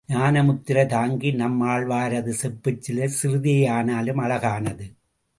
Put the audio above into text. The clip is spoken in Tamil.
ஞான முத்திரை தாங்கி நம்மாழ்வாரது செப்புச்சிலை சிறிதேயானாலும் அழகானது.